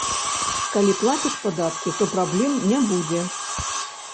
Калі плаціш падаткі, то праблем не будзе.